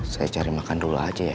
saya cari makan dulu aja ya